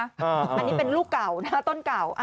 อันนี้เป็นลูกเก่านะฮะต้นเก่า